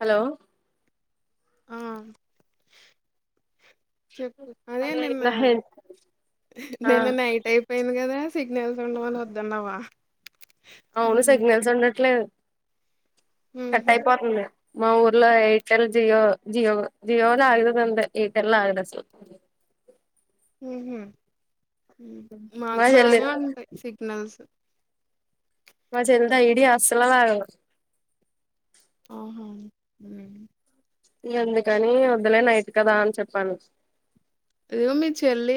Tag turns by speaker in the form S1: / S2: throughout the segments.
S1: Hello
S2: ఆ చెప్పు అదే నిన్న
S1: నా హెడ్ ఆ
S2: నిన్న నైట్ అయిపోయింది కదా సిగ్నేెల్ సౌండ్ వల్ల వద్దన్నవ్వ
S1: అవును సిగ్నల్స్ ఉండట్లేదు కట్
S2: హుహు.
S1: అయిపోతుంది మా ఊర్లో ఏయిర్టెల్ జియో జియో జియోనే అగుతాదాంతే ఏయిర్టెల్ ఆగదసలు
S2: ఉహు మాకు
S1: మా చెల్లి
S2: బానే ఉంటాయి సిగ్నల్స్
S1: మా సెల్ ద ఇడి [unintelligible] అసలు ఆగదు
S2: ఆహా ఉమ్
S1: ఎందుకని వదులే, నైట్ కదా అని చెప్పాను
S2: ఇదిగో మీ చెల్లి,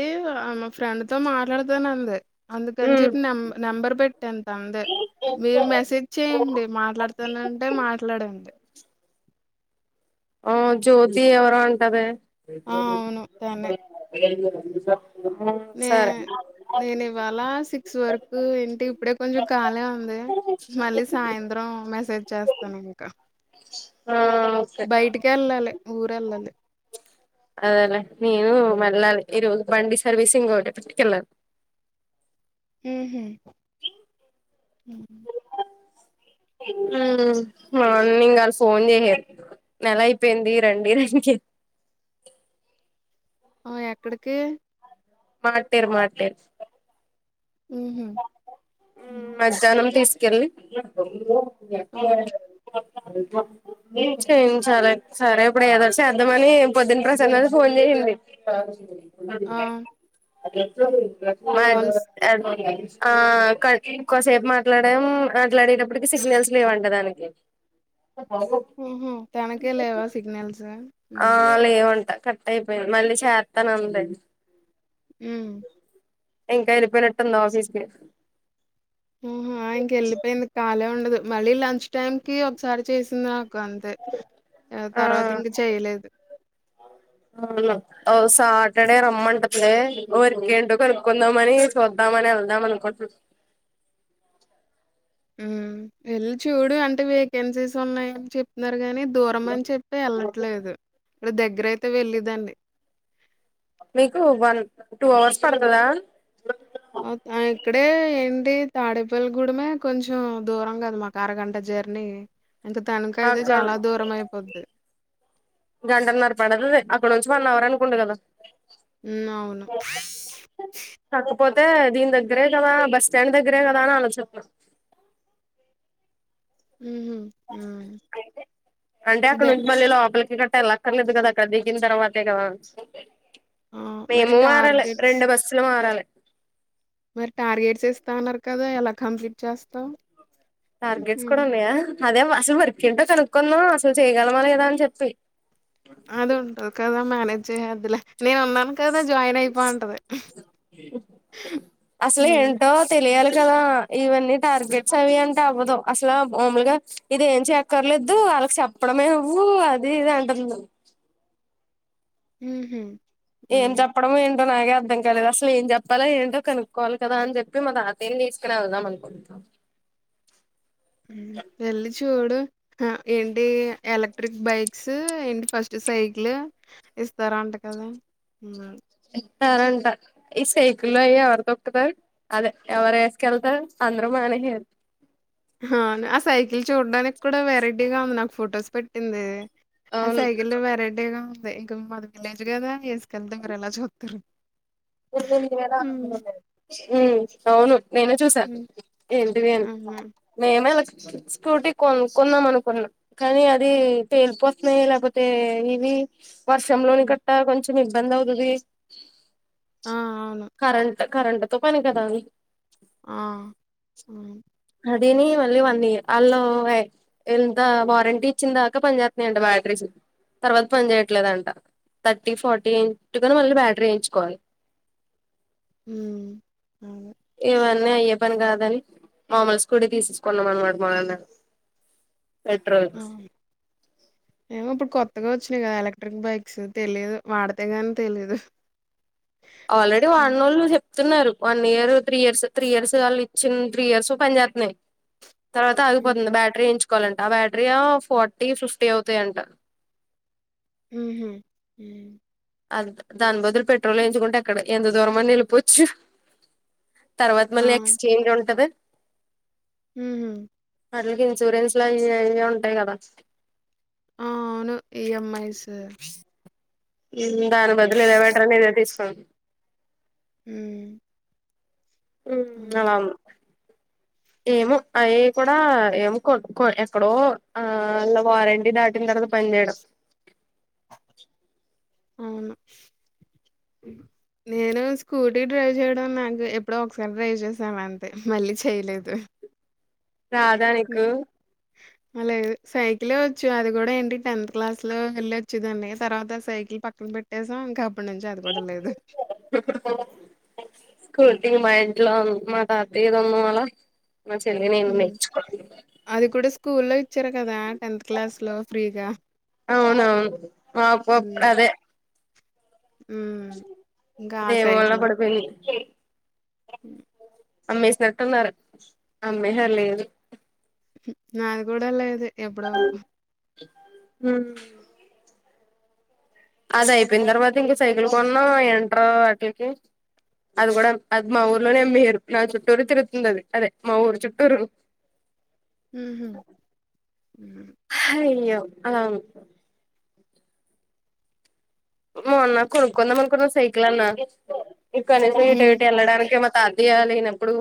S2: మా ఫ్రెండ్ తో మాట్లాడుతానంది అందుకని
S1: ఉమ్
S2: చెప్పి నెం నెంబర్ పెట్టా దందే మీరు మెసేజ్ చెయండి మాట్లాడుతనంటే మాట్లాడండి
S1: ఆ జ్యోతి ఎవరో ఉంటది
S2: ఆ! అవును. తనే.
S1: శిరీష [inaudible]
S2: నే నేను ఇవాళ సిక్స్ వరకు ఏంటి ఇప్పుడే కొంచెం ఖాళే ఉంది మళ్ళీ సాయంత్రం మెసేజ్ చేస్తాను ఇంకా
S1: ఆ ఓకే
S2: బయటికెల్లాలి ఊరెళ్ళాలీ
S1: మళ్ళ ఈ రోజు బండి సర్వీసింగ్ ఉంటే పట్టుకెళ్లారు
S2: ఉహు ఉమ్.
S1: ఉమ్ మార్నింగ్ ఆళ్ళు ఫోన్ చేయారు నెల అయిపోయింది రండి రనికి
S2: ఆ ఎక్కడికి
S1: మాటేరు మాటేరు
S2: ఉహు
S1: ఉమ్ మధ్యాహ్నం తీసు కెళ్ళి
S2: ఓ
S1: [inaudible] సరే సరే సరే ఇప్పుడు ఏదో చేద్దామని పొద్దున ప్రశాంతది ఫోన్ చేసింది [inaudible]
S2: ఆ
S1: అట్లా
S2: కాల్స్
S1: వచ్చేవి [unintelligible] ఆ ఇంకోసేపు మాట్లాడం మాట్లాడినప్పటికి సిగ్నల్స్ లేవంట దానికి
S2: మ్ హ్ తనకే లేవా సిగ్నల్స్
S1: ఆ
S2: ఉమ్
S1: లేవ కొంట కట్ అయిపోయిం మళ్ళీ చేత్తనంది.
S2: మ్
S1: ఇంకా ఎల్లిపోయినట్టుంది ఆఫీస్కి
S2: ఆహా ఇంకెళ్ళిపోయింది కాలే ఉం డదు. మళ్ళీ లంచ్ టైమ్కి ఒకసారి చేసిన్
S1: ఆ
S2: చేయలేదు
S1: ఆ సాటర్డే రమ్మంట ది. ఒరికేంటో కనుక్కుందాం అని చూద్దామని ఎళ్దాం అనుకున్
S2: మ్ వెళ్ళి చూడు అంటే వేకెన్సీస్ ఉన్నాయి అని చెప్తున్నర్ గాని దూరం అని చెప్పి ఎళ్ళట్లేదు. ఇక్కడ దగ్గరయితే వెళ్ళేదాన్ని
S1: మీకు వన్ టూ అవర్స్ పడతదా
S2: ఆ ఇక్కడే ఏంటి తాడేపల్లి గూడమే కొంచం దూరం కదా మాకు అరగంట జర్నీ ఇంకా తనకయితే
S1: అక్కడ
S2: చాలా దూరం అయిపోద్ది
S1: గంటన్నర పడ్తది. అక్కడ్ నుంచి వన్ అవర్ అనుకుంట కదా
S2: మ్ అవును
S1: తే దీన్ దగ్గరే కదా బస్ స్టాండ్ దగ్గరే కదా అని ఆలోచిస్
S2: హుహు. హ్మ్.
S1: అంటే
S2: అదే.
S1: అక్కడ్నుంచి మళ్ళీ లోపల్ [unintelligible] అక్కడ్నే కదా అక్కడ దిగిన తర్వాతే కదా
S2: ఆ! మరి
S1: మేము మారాలె
S2: టార్గెట్స్
S1: రెండు బస్సులు మారాలె
S2: మరి టార్గెట్స్ ఇస్తాన్నార్ కదా ఎలా కంప్లీట్ చేస్తావ్
S1: టార్గెట్స్ కుడా ఉన్నయా అదే అసల్ వర్క్ ఏంటో కనుక్కుందాం అసల్ చేయగలమా లేదా అన్ చెప్పి
S2: అందుంటద్ కదా మేనేజ్ చే అద్దులే నేన్ ఉన్నాను కదా జాయిన్ అయిపో అంటది.
S1: అసలు ఏంటో తెలియాలి కదా ఇవన్నీ టార్గెట్స్ అవి అంటే అవ్వదు. అసలా మామూల్గా ఇది ఏం చెయక్కర్లేదు వాళ్ళకి చెప్పడమే అవ్వు అది ఇది అంటుంది.
S2: మ్ హ్
S1: ఏం చెప్పడం ఏంటి అ నాగే అర్థం కాలేదు అసలు ఏం చెప్పాలో ఏంటో కనుక్కోవాలి కదా అని చెప్పి మా తాతయ్యని తీసుకుని వెళ్దాం అనుకుంటాం
S2: వెళ్ళి చూడు ఆ ఏంటి ఎలెక్ట్రిక్ బైక్ స్ ఏంటి ఫస్ట్ సైకిల్ ఇస్తారా అంట కదా
S1: ఇస్తారుంట ఈ సైకిల్లో అయి ఎవరు తొక్కుతారు అదే ఎవరు వేసుకెళ్తారు అందరుూ మానేసేరు
S2: ఆ సైకిల్ చూడడానికి కూడా వెరైటీగా ఉంది నాకు ఫొటోస్ పెట్టింది ఆ
S1: అవును
S2: సైకిల్ వెరైటీగా ఇ మాది విలేజ్ కదా వసుకెళ్ళతే ఒక లాగా చూస్తారు
S1: మ్మ్ అవును నేనే చూసాను
S2: హ్మ్
S1: ఏంటివే
S2: అవును
S1: నేమేల స్కూటీ కొనుకున్నాం అనుకున్నాం కానీ అది పేలిపోతున్నాయి లేకపోతే ఇవి వర్షంలోని
S2: హ్మ్
S1: గట్ట కొంచెం ఇబ్బంది అవుతది
S2: ఆ! అవును.
S1: కరెంట్ కరెంట్తో పని కదా
S2: ఆ! అవును.
S1: అది దీని మళ్ళీ వన్ ఇయర్ వాళ్ళు ఎంత వారంటీ ఇచ్చిన దాకా పని చేేస్తున్నాయింట బ్యాటరీస్ తర్వాత పని చేేయట్లేదుంట థర్టీ ఫార్టీ ఇంచుకని మళ్ళీ బ్యాటరీ వేయించుకోవాలి
S2: మ్మ్ అవును
S1: ఇవన్నీ అయ్యే పని కాదని మామూలు స్కూటీ తీసేసుకున్నాం అన్నాడు మ నాన్న
S2: ఆ ఏమో ఇప్పుడు కొత్తగా వచ్చినయి కదా ఎలక్ట్రిక్ బైక్స్ తెలియదు వాడితే గాని తెలిదు
S1: ఆల్రెడీ వాడినోళ్ళు చెప్ చెప్స్తుతున్నారు one year three years three years వాళ్ళు ఇచ్చిన త్రీ ఇయర్స్ పని చేస్తున్నాయి తర్వాత
S2: హ్మ్.
S1: ఆగిపోతుంది బ్యాటరీ ఏయించు కోవాలంట ఆ బ్యాటరీ ఆ ఫార్టీ ఫిఫ్టీ అవుతాయింట
S2: మ్మ్ హ్మ్ హ్మ్
S1: అ దాని బదులు పెట్రోల్ వయించుకుంటే ఎక్కడ ఎంత దూరం అన్న వేళిపోవచ్చు తర్వాత
S2: ఆ!
S1: మళ్ళీ ఎక్స్చేంజ్ ఉంటది
S2: హ్మ్
S1: వాటిలికి ఇన్సూరెన్స్ అయి అయి ఉంటాయి కదా
S2: ఆ అవును ఈఎంఐస్
S1: దాని బదులు ఇదే బెటర్ అని ఇదే తీసుకునాం
S2: హ్మ్
S1: మ్మ్ అవును ఏమో అవీ కూడా ఏమ్ కోట్కో ఎక్కడో ఆ ఆలా వారంటీ దాటిన తర్వాత పని జెయడం.
S2: ఆ నేను స్కూటీ డ్రైవ్ చేయడం నాక్ ఎప్పుడో ఒకసారి డ్రైవ్ చేశా అంతే మళ్ళీ చేయలేదు.
S1: రాధా నీ.
S2: అ లేదు సైకిలే వచ్చు అది గుడా ఏంటి టెన్త్ క్లాస్ లో వెళ్లొచ్చేదాన్ని తర్వాత సైకిల్ పక్కన పెట్టేసాం ఇంకా. ఇప్పునుంచి అది కూడా లేదు.
S1: ఇది మా ఇంట్లో మా తాతయ్యదుంది మాలా.
S2: ఉమ్ అది కూడా స్కూల్ లో. చ్చారు కదా టెన్త్ క్లాస్ లో ఫ్రీగా.
S1: అవునవును. మాపోప్పు
S2: హ్మ్.
S1: అదే.
S2: హ్మ్. ఇంకా ఆ
S1: అదే వాన్లొ పడిపోయింది.
S2: ఉమ్.
S1: అమ్మేస్నట్టున్నరూ అమ్మేసర్ లేదు.
S2: నాద్ గుడా లేదే. ఎప్పుడో.
S1: ఉమ్. అధైపోయినతర్వత ఇంక సైకిల్ కొన్నాం ఎంట్ర అట్లికీ అది కూడా అది మా ఊర్లోనే అమ్మెహారు నాచుట్టూరు తిరుగుతుంది అది అదే మా ఊరు చుట్టూరు.
S2: హు హ్మ్
S1: అయ్యో ఆ. మొన్న కొనుక్కుందామనుకున్న సైకిల్ అన్న. ఇక్కనుంచి
S2: హ్మ్.
S1: ఎటెటు ఎల్లాడానీకైన. తాతయ్య లేనప్పుడు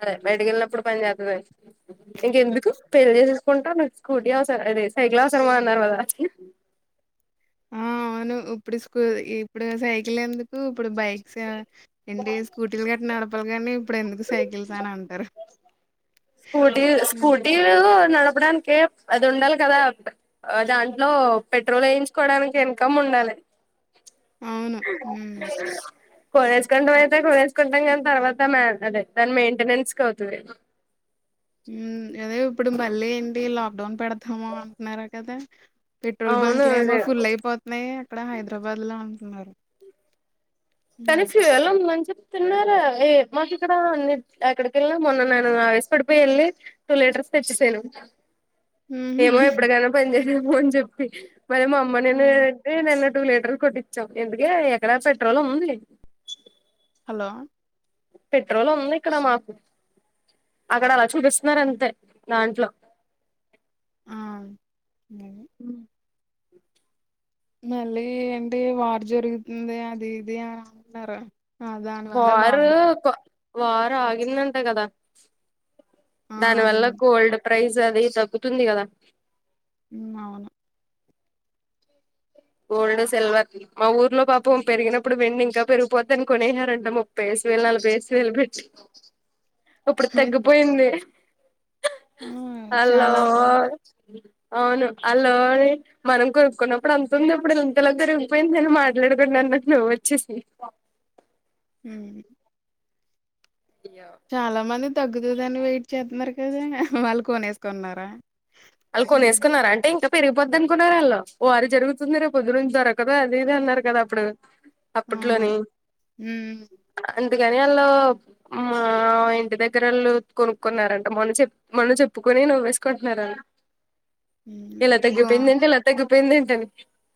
S1: అదే బయటకి వెళ్ళినప్పుడు పన్జెత్తది ఇంకెందుకు పెల్లే చేసేసుకుంటాను స్కూటీ అవస అదే సైకిల్ అవసరమా అన్నారు గదా.
S2: ఆ అవును ఇప్పుడు స్కూ ఇప్పుడు సైకిల్ ఎందుక్. ఉమ్ ఇప్పుడు బైక్స్ ఆ ఏంటి స్కూటీలు గట్టి నడపాలి గానీ. ఇప్పుడెందుకు సైకిల్స అనంటారు.
S1: స్కూటీ స్కూటీలు. నడపడానికే అది ఉండాలి కదా దాంట్లో పెట్రోల్ ఎయించుకోడానికి ఇన్కమ్ ఉండాలి.
S2: అవును ఉమ్.
S1: కొనేస్కుంటాం ఐతే కొనేస్. కుంటాం గాని తర్వాత మాంటాదీ దాని మెయింటెనెన్స్ కి అవుతుంది.
S2: ఉమ్ అదే ఇప్పుడు మళ్ళీ ఏంటి లాక్డౌన్ పెడతాము అంటున్నరూ కదా. పెట్రోల్
S1: అవును
S2: బంక్లు ఏమో
S1: అదే
S2: ఫుల్ ఐపోత్నయ్ అక్కడ హైదరాబాద్ లో. ఉన్నారు.
S1: తనీసి ఎలా మంచి. తన్నారా ఏ మాక్ ఇక్కడ ఎక్కదికెళ్ళం మొన్న న్నను ఆవేశపడిపోయి వెళ్ళి టూ లీటర్స్ తెచ్చేసాను.
S2: హుహు.
S1: ఏమో ఎప్పడికైనా పన్ జయ్. తేమ అని చెపి మరి మా అమ్మ నేను
S2: హ్మ్.
S1: ఏంటే నన్ను టూ లీటర్లు కోటిచావ్ ఎందుకే ఎక్కడ పెట్రోల్ ఉంది
S2: హలో
S1: పెట్రోల్ ఉంది ఇక్కడ మాకు అక్కడ అలా చూపిస్తున్నారు అంతే దాంట్లో
S2: మా
S1: ఉ
S2: మళ్ళీ ఏంటి వారు జరుగుతుంది అది ఇది అని అంటున్నారు ఆ! దానివల్ల
S1: బారు
S2: లాక్‌డౌన్
S1: కో వారు ఆగిందంట కదా
S2: ఆ!
S1: దాని వల్ల
S2: ఆగింది.
S1: గోల్డ్ ప్రైజ్ అది తగ్గుతుంది కదా
S2: ఉమ్ అవును
S1: గోల్డ్ సిల్వర్ మా ఊర్లో పాపం పెరిగినప్పుడు వెండి ఇంకా పెరిగిపోద్ద అని కొన్నారంటా ముప్పై వేసు వేలు నలభై వేసు వేలు పెట్టి ఇప్పుడు తగ్గిపోయింది
S2: ఆ
S1: హలో
S2: చాలా
S1: అవును హలో అని మనం కొనుక్కున్నప్పుడు అంత తుంది అప్పుడు ఇంతలో జరిగిపోయిందిని మాట్లాడుకుండా అన్నకు నువ్ వచ్చేసి
S2: ఉమ్ చాలా మంది తగ్గుతుందని వెయిట్ చేస్తున్నారు నిజంగా వాలు కోనేస్కునారా
S1: వాళ్ కొన్స్కునార్ అంటే ఇంకా పెరిగిపోద్ అనుకున్నారు వాళ్ళ వారు జరుగుతుంది రేపు పొద్దు నుంచి దొరకదు అదిది అన్నారు కదా అప్పుడు
S2: అవును.
S1: అపుట్లోని
S2: హ్మ్.
S1: అన్ అందుకని వాళ్ళు మా ఇంటి దగ్గర వాళ్ళు కొనుక్కున్నారంట మొన్న చెప్ మొన్ను చెప్పుకొని నవ్వకుంటున్నారు
S2: హ్మ్.
S1: ఎలా
S2: గో
S1: తగిపోయిందేంటి ఎలా తగ్గి యింది ఏంటని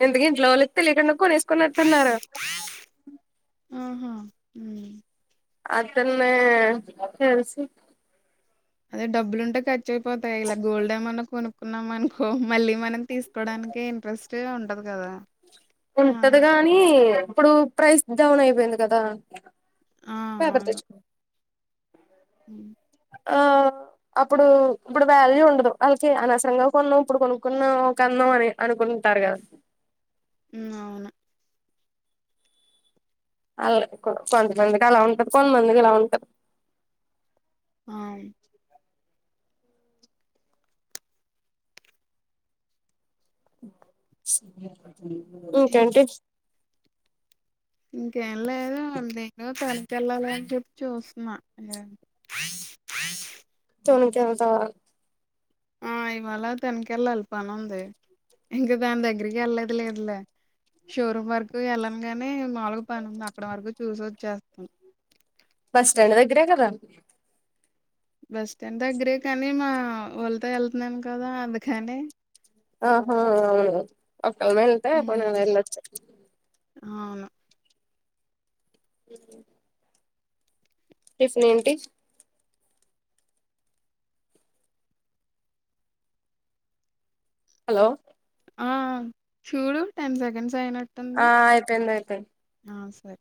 S1: అంతుకే ఇంట్లో వాళ్ళకి తెలీకుండా కాన్స్ కొనుతున్నారు
S2: ఉమ్
S1: అతనే తెలిసి
S2: అది డబ్బుంటే కాట్ కార్చేపోతాయి ఇలా గోల్డె ఏమయినా కొను కున్నాం అనుకో మళ్ళీ మనం తీసుకోడానికే ఇంట్రెస్ట్ ఉండదు కదా ఆ!
S1: ఉంటది గాని ఇప్పుడు ప్రైస్ డౌన్ అయిపోయింది కదా
S2: ఆ!
S1: పేపర్ తెచ్చుకొని
S2: అ
S1: ఆ అప్పుడు ఇప్పుడు వాల్యూ ఉండదు వాళ్ళకి అనవసరంగా కొన్నాం ఇప్పుడు కొనుక్కున్నా కన్నాం అని అనుకుంటారు కదా
S2: హ్మ్. అవును
S1: అలా కొంతమందికి అలా ఉంటది కొంతమందికి అలా ఉంటారు
S2: ఆ
S1: స
S2: ఇప్
S1: ఇకాంటే
S2: ఇంకేం లేదు వాళ్ళ నేను తల్ ల చూసన్నా ఏ
S1: చ ను త తాల
S2: ఆ ఇవాళ తనక వెళ్ళాలి పని ఉంది ఇంకా దాని దగ్గరికి వెళ్ళదు లేదులే షోరూమ్ వరకు వెళ్ళను గాని మాములుగు పని ఉంది అక్కడ వరకు చూసి వచ్చేస్తాం
S1: బస్ స్టాండ్ దగ్గరే కద
S2: బస్ స్టాండ్ దగ్గరే కానీ మా వాళ్ళతో వెళ్తున్నాను కదా అందుకని
S1: ఆహా అవును ఒకక్కాలమ వెళ్ంటా అప్పు నా
S2: హ్మ్.
S1: వెళ్ళచ్చే
S2: అవును
S1: ఇ టిఫన్ ఏంటి హలో
S2: ఆ చూడు టెన్ సెకండ్స్ అయినట్టు
S1: ఆ ఆయితే ఎంతయితే
S2: స